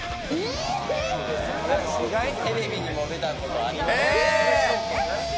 テレビにも出たことあります。